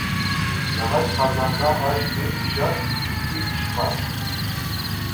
ياغاچ قازاندا ئاش بىر پىشار، ئىككى پىشماس.